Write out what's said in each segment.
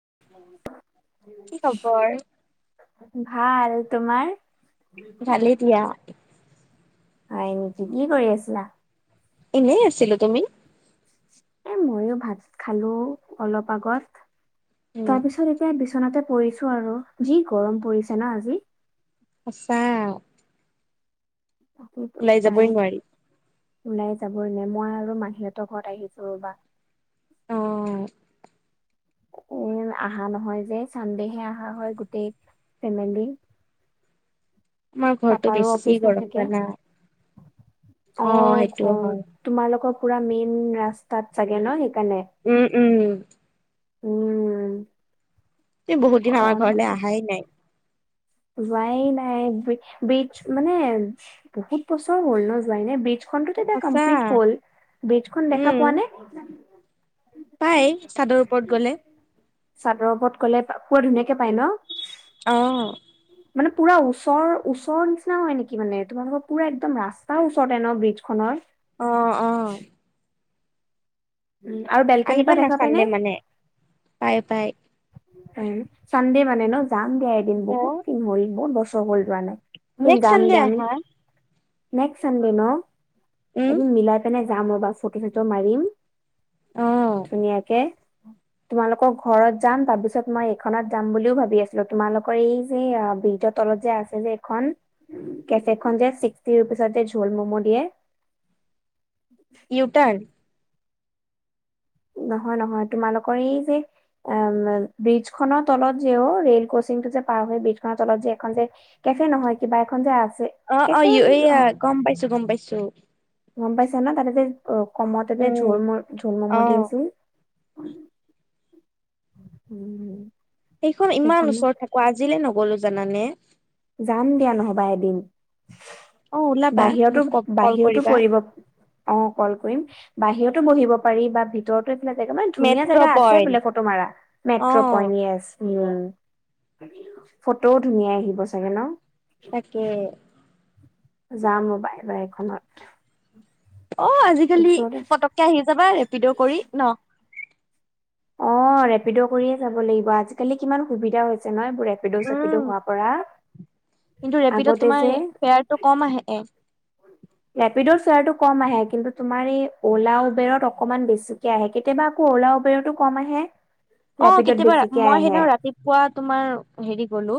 [unintelligible] কি খবৰ। ভাল তোমাৰ। ভালেই দিয়া। হয় নেকি কি কৰি আছিলা। এনেই আছিলো তুমি। এ মইয়ো ভাত খালো অলপ আগত উম, তাৰপিছত। এতিয়া বিচনাতে পৰিছো আৰু যি গৰম পৰিছে ন আজি। সছা। পায় নোৱাৰি। উলাই। যাবই নে মই আৰু মাহি হতৰ ঘৰত আহিছো ৰবা। অ অ এ আহা নহয় যে চানডেহে আহা হয় গোটেই ফেমিলি। [unintelligible] আমাৰ ঘৰটো পাপাৰো বেছি অফিচ গৰম নাথাকে। জানা। অ ঘ সেইটোও হয়। তোমালোকৰ পুৰা মেইন ৰাস্তাত চাগে ন সেই, উম উম উম এই বহুত দিন আমাৰ গৰম ঘৰলে অহাই নাই। যোৱাই নাই বীজ মানে বহুত বছৰ হ'ল ন যোৱাই নাই বীজ, খন টো টহ এতিয়া সঁচা কমপ্লিট হ'ল বিজখন দেখা উম, পোৱা নে? পাই চাদৰ ওপৰত গলে। পোৱা ধুনীয়াকে পায় ন। অহ মানে পুৰা ওচৰ ওচৰৰ নিচিনা হয় নেকি মানে তোমালোকৰ পুৰা একদম ৰাস্তাৰ ওচৰতে ন ব্ৰিজ খনৰ। অ অ উম আৰু বেলকনিৰ আহিব পৰা না দেখা পাই নে? চানদে মানে, পাই পাই চানডে মানে ন, যাম দিয়া এদিন বহুত দিন হল বহুত বছৰ হল যোৱা নাই। নেক্স চানডে আহা। নেক্স চানডে ন উম, এদিন মিলাই পেনে যাম ৰ'ব ফটো চটো মাৰিম। অ, ধুনীয়াকে তোমালোকৰ ঘৰত। যাম তাৰপিছত মই এইখনত যাম বুলিও ভাবি আছিলো, তোমালোকৰ এই যে ব্ৰিজৰ তলত যে আছে যে এইখন কেফে খন যে ছিক্সটি ৰুপিচৰ যে ঝল মম' দিয়ে। [unintelligible] ইউটান নহয় নহয় তোমালোকৰ এই যে, অ ব্ৰিজ খনৰ তলত যে ও ৰেল কছ সিংটো যে পাৰ হৈ বজ খনৰ তলত যে এখন যে কেফে নহয় কিবা এখন যে আ অ অ এয়া গম পাইছো গম পাইছো গম পাইছা ন, তাতে যে অ কমতে যে উম, ঝল মম ঝল মম অ। দি আছিল। [unintelligible] সেইখন ইমান ওচৰত থাকো আজিলে নগলো জানানে। যাম দিয়া নহবা এদিন। অ ওলাবা বাহিৰতো মোক ক কল বাহিৰতো কৰিবা পৰিব, অ কল কৰিম। বাহিৰতো বহিব পাৰি বা ভিতৰত, এইবিলাক জেগা মানে ধুনীয়া মেট্ৰ' জেগা আছে পইণ্ট বোলে ফটো মাৰা, অ মেট্ৰ' পইণ্ট য়েছ। উম, ফটোও ধুনীয়া আহিব চাগে ন? তাকে। যাম ৰবা এবাৰ এখনত। অ আজিকালি ওচৰতে পতককে আহি যাবা ৰেপিড' কৰি ন?। অ ৰেপিড' কৰিয়ে যাব লাগিব আজিকালি কিমান সুবিধা হৈছে ন। ৰেপিডো চেপিডো উম হোৱা পৰা কিন্তু ৰেপিডত আগতে তোমাৰ যে। ফেয়াৰটো কম আহে চাৰ্টৰ কম আহে কিন্তু তুমাৰ এই অলা উবেৰত অকনমান বেছিকে আহে, কেতিয়াব আকৌ অলা উবেৰত ও কম। আহে। অ ৰেপিডত কেতিয়াবা বেছিকে মই আহে সেইদিনা ৰাতিপুৱা তোমাৰ হেৰি গলো,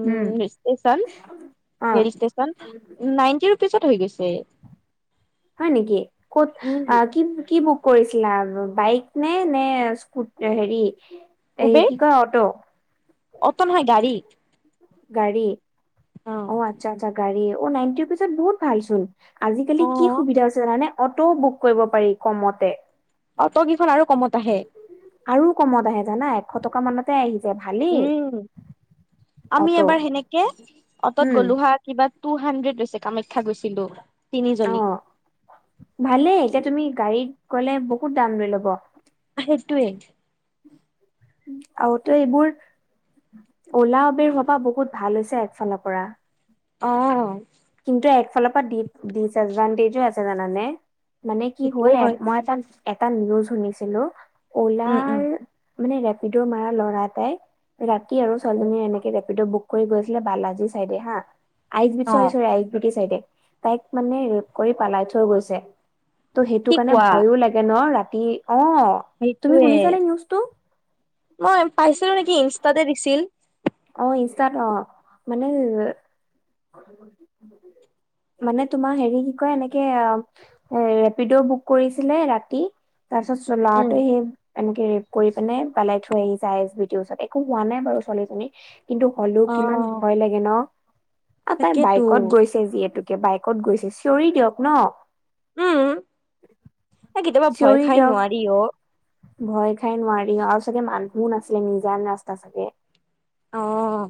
উম। ষ্টেচন অ ৰেল ষ্টেচন, নাইনটি ৰূপিছ অত হৈ গৈছে। হয় নেকি ক'ত উম কি কি বু। কৰিছিলা বাইক নে, নে স্কুট হেৰি। এই উবেৰ কি কৈ অটো? অটো নহয় গাড়ী গাড়ী, অ আচ্ছা আচ্ছা গাড়ী। অ নাইনটি ৰুপিজত বহুত ভালচোন আজিকালি অ কি সুবিধা আছে জানানে অটও বুক কৰিব পাৰি কমতে। অটকেইখন আৰু কমত আহে। আৰু কমত আহে জানা, এশ টকা মানতে আহি। যায় ভালেই উম আমি অটো এবাৰ সেনেকে অতত উম গলোহা কিবা। টু হাণ্ড্ৰেড লৈছে কামাখ্যা গৈছিলো। অ তিনিজনী ভালেই এতিয়া তুমি গাড়ীত গলে বহুত দাম লৈ ল'ব। সেইটোৱেই। আৰুতো এইবোৰ। উলাবৰ সবাহ বহুত ভাল হৈছে একচনৰ পৰা। অ। কিন্তু একফালৰ পৰা ডিত ডিচএডভানটেজো আছে জানানে। মানে কি হ'ল সেইটোও এ হয় মই এটা এটা নিউজ শুনিছিলো উম উম অলাৰ। মানে ৰেপিডৰ মাৰৰা ল'ৰা এটাই ৰাতি আৰু ছোৱালজনীয়ে এনেকে ৰেপ। বুক কৰি গৈছিলে বালাজী চাইড হা আই। অ বিটি চাইডে তাইক মানে ৰেপ কৰি পালাই থৈ গৈছে। ত' সেইটো কি কাৰণে ভয়ো লাগে ন ৰাতি। অ তুমি সেইটোৱে শুনিছানে নিউজটো মই পাইছিলো নেকি ইনষ্টাতে দিছিল। অ ইনষ্টাতে দিছিল। [unintelligible] মানে তোমাৰ হেৰি কি কয় এনেকে ৰেপিড বুক কৰিছিলে ৰাতি। তাৰ চ উম চলাতে সে। এনেকে ৰেপ কৰি পিনে পেলাই থৈ আহি যায় এছ বি টিৰ ওচৰত একো হোৱা নাই বাৰু ছোৱালীজনী। কিন্তু হলেও অ কিমান ভয় লাগে ন তাই তাকেতো বাইকত গৈছে যিহেতু। বাইকত গৈছে চিঞৰি দিয়ক ন। উম ন কেতিয়াবা ভয় চিঞৰি খাই দিয়ক নোৱাৰিও। ভয় খাই নোৱাৰি আৰু চাগে মানুহ আছিলে নিজা ৰাস্তা চাগে। অহ।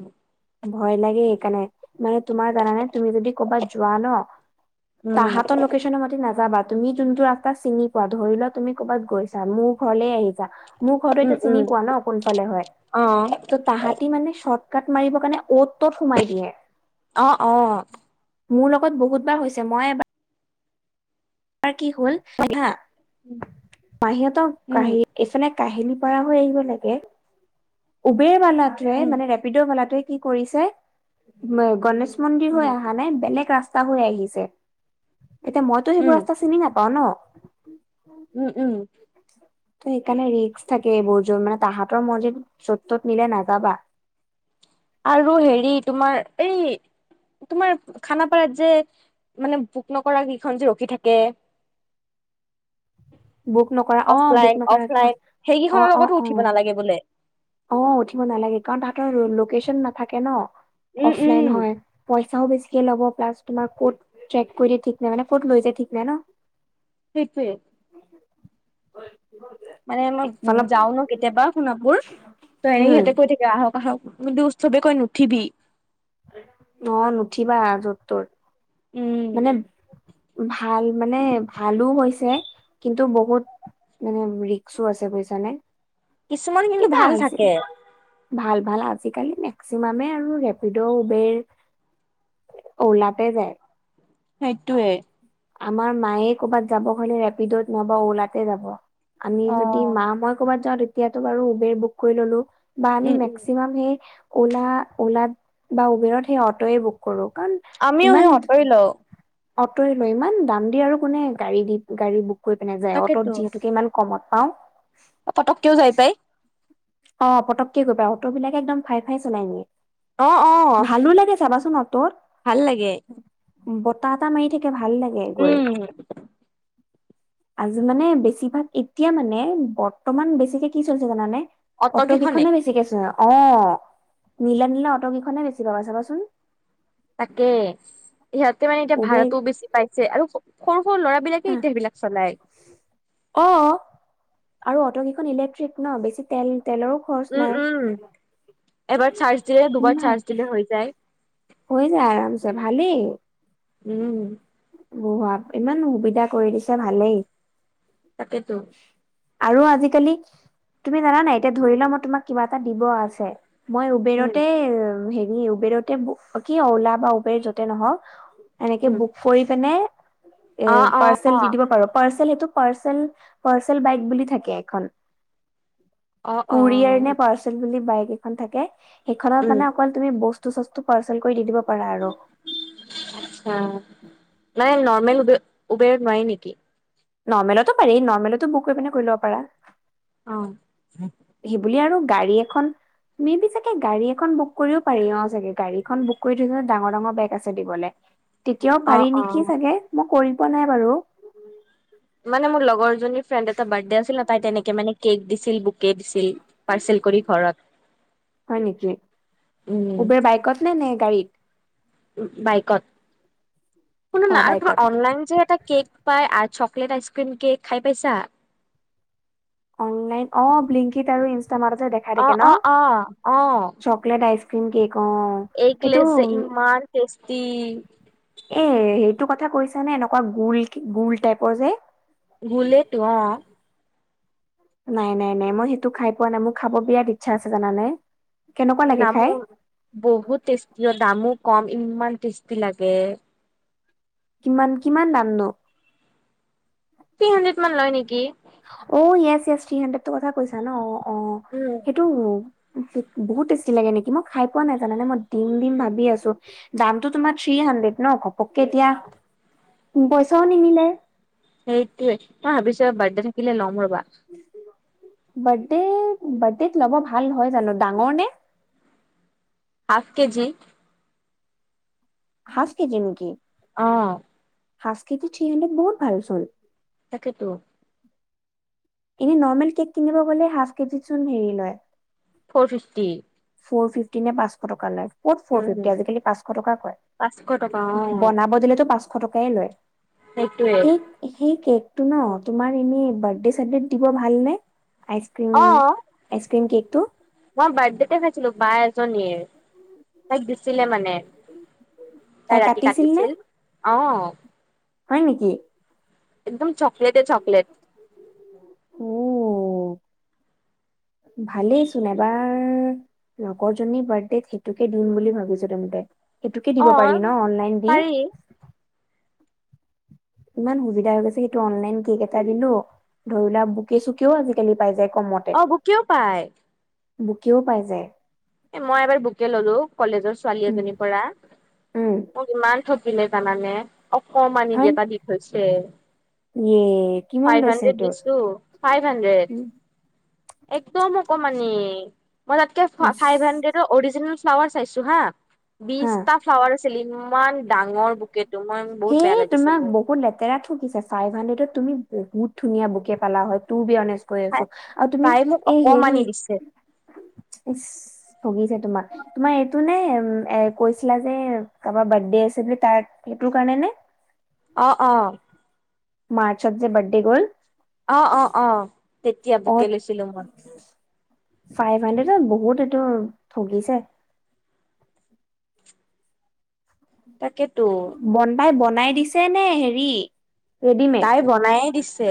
ভয় লাগে সেইকাৰণে মানে তোমাৰ জানা নাই তুমি যদি কৰ'বাত যোৱা ন। উম তাহাঁতৰ লোকেশ্যনৰ মাতি নাযাবা। তুমি যোনটো ৰাস্তা চিনি পোৱা ধৰি লোৱা তুমি কৰ'বাত গৈছা মোৰ ঘৰলে আহিছা। মোৰ ঘৰতো উম এতিয়া উম চিনি পোৱা ন কোনফালে হয় অ ত' তাহাঁতি মানে চত। কাট মাৰিব কাৰণে অ'ত। অ অ। মোৰ লগত বহুতবাৰ হৈছে মই এবাৰ। কি হল মাহিতৰ ক উম এইফলে। কাহিলি পৰা হৈ আহিব লাগে উবেৰ ৱালটোৱে উম উম মানে ৰেপিডৰ ৱালটোৱে। কি কৰিছে গণেশ মন্দিৰ হৈ উম অহা নাই বেলেগ ৰাস্তা। হৈ আহিছে এতিয়া মইতো উম সেইবোৰ। নেপা ন। উম উম। ত এইকাৰণে ৰিক্স থাকে এইবোৰ যোৰ মানে তাহাঁতৰ মাৰ্জিত যত ত'ত নিলে নাযাবা। আৰু হেৰি তোমাৰ এই। তোমাৰ খানাপাৰাত যে মানে পোক নকৰাৰাক কেইখন যে ৰখি থাকে। বুক নকৰা অ', বুক অফলাইন- নকৰা এখন অফলাইন অ', সেইকেইখনৰ অ', লগতো উঠিব অ', নালাগে বোলে। অ উঠিব নালাগে কাৰণ তাহতৰ লোকেশচন নাথাকে ন উম উম অফলাইন হয়। চাও বেছিকে ল'ব প্লাছ তোমাৰ ক'ত ট্ৰেক কৰিদিয়ে ঠিক নাই মানে ক'ত লৈ যায় ঠিক নাই ন। সেইটোৱেই। মানে মই একফালৰ যাও ন কেতিয়াবা সোণাপুৰ ত এনে উম, সিহঁতে কৈ থাকা আহ। ষ কি উৎসৱে কৈ নুঠিবি। অ নুঠিবা জত তত। উম মানে ভাল মানে ভালো হৈছে কিন্তু বহুত। মানে ৰিক্স আছে বুইছা নে। কিছুমান কিন্তু ভাল থাকে। ভাল ভাল আজিকালি মেক্সিমামে আৰু ৰেপিডো উবেৰ। ওলাওঁতে যাই। সেইটোৱে। আমাৰ মায়ে কবাত যাব হলে ৰেপিডত নাইবা অলাতে যাব আমি অ যদি মা মই কৰ'বাত যাওঁ তেতিয়াতো বাৰু উবেৰ বুক কৰি ললো বা আমি উম উম মেক্সিমাম সেই উলা উলাত বা উবেৰত সেই অটো এ বুক কৰো কাৰণ আমিও সেই ইমান অতৰি লও। অটয়ে লয় ইমান দাম দি আৰু কোনে গাড়ী দি গাড়ী বুক কৰি পিনে যায় অটত যিহেতুকে ইমান কমত পাওঁ পটককেওঁ যাই পাই। অ পটককে গৈ পাই অটো বিলাকে একদম ফাই ফাই চলাই নিয়ে অ অ ভালো লাগে চাবাচোন অ ভাল লাগে বতাহ এটা মাৰি থাকে ভাল লাগে গৈ উম আজি মানে বেছিভাগ এতিয়া মানে বৰ্তমান বেছিকে কি চলিছে জানানে। অট কিখনে বেছিকে চলে অ। নীলা নীলা অটকেইখনে বেছি পাবা চাবাচোন তাকে ইহঁতে মানে এতিয়া উবেৰ ভাড়াটোও বেছি পাইছে আৰু সৰু সৰু ল'ৰাবিলাকে হা এতিয়া সেইবিলাক চলায় অ আৰু অটকেইখন ইলেক্ট্ৰিক ন বেছি তেল তেলৰো খৰচ উম নাই উম এবাৰ চাৰ্জ দিলে দুবাৰ চাৰ্জ দিলে হৈ যায় হৈ যায় আৰামছে ভালেই উম ইমান সুবিধা কৰি দিছে ভালেই। তাকে টো আৰু আজিকালি তুমি জানা নাই এতিয়া ধৰি লোৱা মই তোমাক কিবা এটা দিব আছে মই উম উবেৰতে হেৰি উবেৰতে কি অলা বা উবেৰ যতে নহওক এনেকে উম বুক কৰি পিনে এ অ অ পাৰ্চেল দি দিব পাৰো পাৰ্চেল সেইটো পাৰ্চেল পাৰ্চেল বাইক বুলি থাকে এখন অ অ কুৰিয়াৰ নে পাৰ্চেল বুলি বাইক এখন থাকে সেইখনত উম মানে অকল তুমি বস্তু বস্তু চষ্টো পাৰ্চেল কৰি দি দিব। পাৰা আৰু হা নাই নৰ্মেল উবে উবেৰত নোৱাৰি নেকি? নৰ্মেলতো পাৰি নৰ্মেলতো বুক কৰি পিনে কৰি ল'ব পাৰা। অ সেইবুলিয়ে আৰু গাড়ী এখন মে বি চাগে গাড়ী এখন বুক কৰিব পাৰি অ চাগে গাড়ীখন বুক কৰি থৈছে ডাঙৰ ডাঙৰ বেগ আছে দিবলে তেতিয়াও অ পাৰি অ নেকি চাগে মই কৰি পোৱা নাই বাৰু মানে মোৰ লগৰজনী ফ্ৰেণ্ড এটা বাৰ্থডে আছিল ন তাই তেনেকে মানে কেক দিছিল বুকে দিছিল। পাৰ্চেল কৰি ঘৰত। হয় নেকি উম উবেৰ বাইকত নে নে গাড়ীত। বাইকত শুনা অ না আৰু তোমাৰ বাইকত অনলাইন যে এটা কেক পাই আৰু চকলেট আইচ ক্ৰীম কেক খাই পাইছা অনলাইন অ ব্লিংকিত আৰু ইনষ্টামাৰটতে দেখাই থাকে অ', অ', অ', ন চকলেট আইচ এগ লেছ যে ইমান টেষ্টি এ সেইটো কথা কৈছানে এনেকুৱা গোল গোল টাইপৰ যে গোলেই টো অ নাই নাই নাই মই সেইটো খাই পোৱা নাই মোৰ খাব বিৰাট ইচ্ছা আছে জানানে। কেনেকুৱা লাগে দামো খাই বহুত টেষ্টী দামো। কম ইমান টেষ্টি লাগে কিমান কিমান দাম নো থ্ৰী হানড্ৰেড মান লয় নেকি অ য়েছ য়েছ থ্ৰী হানণ্ড্ৰেডটো কথা কৈছা ন অ অ উম, সেইটো। বহুত টেষ্টি লাগে নেকি মই খাই পোৱা নাই জানানে মই দিম দিম ভাবি আছো দামতটো তোমাৰ থ্ৰী। ড ন ঘপককে এতিয়া পইচাও নিমিলে। সেইটোৱে তই ভাবিছ বাৰ্থডে থাকিলে ল'ম ৰবা। বাৰ্থডে বাৰ্থডেত ল'ব ভাল হয় জানো ডাঙৰ নে। Half KG. হাঁচক জি নেকি। আহ। স্কতি চি হাড্ৰেড বহুত ভাল চল। তাকেতেতো। এনে নৰ্মেল কেক কিনিব গ'লে হাফ কেজিত হেৰি লয়। Four fifty. ফ'ৰ ফিফটি নে পাঁচশ টকা লৈ। কত ফ উম, ফিফটি আজিকালি পাঁচশ টকা কয়, পাঁচশ টকা অ', বনাব দিলেতো পাঁচশ টকাই লয়। সেইটোৱে সেই সেই কেকটো ন তোমাৰ এনে বাৰ্থডে চেলিব্ৰেট দিব ভালনে। আইচক্ৰীম অ আইচক্ৰীম কেকটো মই, বাৰ্থডেতে খাইছিলো বাই আ। জনিয়ে তাইক দিছিলে মানে। তাই ৰাতি, কাটিছিল আহ। হয় নেকি? একদম চকলেটে চকলেট। অ। ভালেই চোনোন এবাৰ। লগৰজনী বাৰ্থডেত সেইটোকে দিম বুলি ভাবিছো দেম তাই। এইেইটোকে অ দিব পাৰি ন অনলাইন দি। পাৰি ইমান সুবিধা হৈ গৈছে সেইটো অনলাইন কেক এটা দিলো, ধৰিলা বুকে চুকেও আজিকালি পাই যায়। কমতে অ বু কিয় পায়। বুকেও পাই যায় এ মই এবাৰ বুকে ললো কলেজৰ ছোৱালী উম এজনীৰ পৰা উম মোক ইমান। বুজিলে জানানে অকণমানি হয় দি এটা দি থৈছে। ইয়ে কিমান ফাইভ লৈছে হাণ্ড্ৰেড সেইটো? দিছো ফাইভ হানড্ৰেড। উম একদম অকমানি, মই তাতকে ইচ ফাই হাডডৰ অজনে। ফ্লাৱাৰ, চাইছো হা বিশটা ফ্লাৱাৰ আছিলি। হেই লাগিছে তোমাক মোৰ বহুত লেতেৰা থগিছে ফাইভ হাড্ৰেডত তুমি। [unintelligible] বহুত ধুনীয়া বুকে পালা হয় তোৰ বিয়ানে। [unintelligible] কৈ আছো, আৰু তুমি তাই মোক এই হেৰি। অকমানি দিছে [unintelligible] ইচ ভুগিছে তোমাক তোমাৰ এইটো নাই। [unintelligible] কৈছিলা যে কাৰোবাৰ বাৰ্থডে আছে বুলি তাৰ সেইটো কাৰণে নে। [unintelligible] অ অ। মাৰ্চত যে বাৰ্ডে গ'ল। অ অ অ তেতিয়া অ বোকে লৈছিলো মই। [unintelligible] ফাইভ হাণ্ড্ৰেডত বহুত এইটো ঠগিছে। তাকেতো। বাই দিছে নে হেৰি। [unintelligible] ৰেডিমেড তাই বনায়ে দিছে।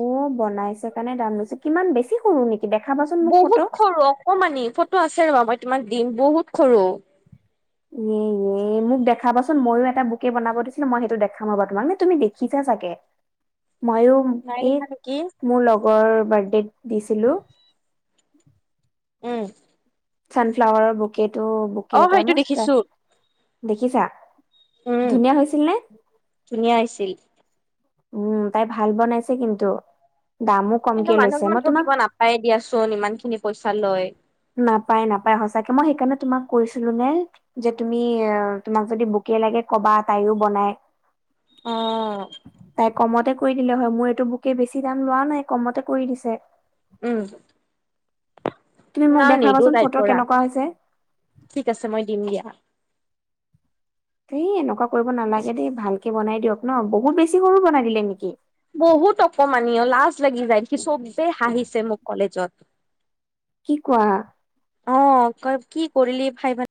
অ বনাইছে কাৰণে দাম লৈছে কিমান বেছি সৰু নেকি। [unintelligible] মোক ফটো বহুত সৰু অকমানি ফটো আছে ৰবা মই তোমাক দিম বহুত সৰু। এ এ মোক দেখাবাচোন ময়ো এটা বুকে বনাব দিছিলে মই সেইটো দেখাবা তোমাক নে তুমি দেখিছা। [unintelligible] চাকে। [inaudible] ময়ো নাই এই দেখা নেকি মোৰ লগ। ৰ বাৰ্থডেট দিছিলো। উম। চানফ্লাৱাৰৰ বুকেটো বুকে অ এটা সেইটো মস্ত দেখিছো [unintelligible] দেখিছা উম ধুনীয়া হৈছিল নে। ধুনীয়া আহিছিল উম তাই ভাল বনাইছে কিন্তু। দামো কিন্তু কমকে মানুহক লৈছে ইমান মই তোমাক ঠগিব নাপায় দিয়াচোন ইমান খিনি পইচা লৈ [unintelligible] নাপাই নাপায় সচাকে মই হেইকৰণে তোমাক কৈছিলো মই তুমি তোমাক যদি বুকে লাগে [unintelligible] কবা তাইও বনাই অ তাই কমতে কৰি দিলে হয় মোৰ এইটো বুকে বেছি দাম লোৱা নাই কমতে কৰি দিছে। উম। তুমি মোক নাই নিদো দেখাবাচোন তাইৰ ফটো পৰা কেনেকুৱা হৈছে ঠিক আছে মই দিম দিয়া। [unintelligible] হৈএনেকুৱা কৰিব দেই ভালকে বনাই ডিঅক ন বহুত বেছি [unintelligible] বনাই দিলে নেকি [unintelligible] বহুত অকমানি অ লাজ লাগি যায় দেখি চবে হাঁহিছে মোক কলেজত কি কোৱা? অ ক কি কৰিলি ভাই ভাল [unintelligible]